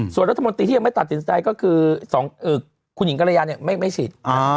ส่วนรัฐมนตรีที่ยังไม่ตัดสินใจก็คือคุณหญิงกรยาเนี่ยไม่ฉีด